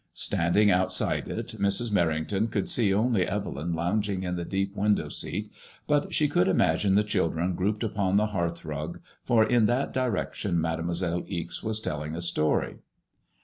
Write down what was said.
Standing outside it, Mrs. Mer rington could see only Evelyn lounging in the deep window seat, but she could imagine the children grouped upon the hearth rug, for in that direction Made moiselle Ixe was telling a story.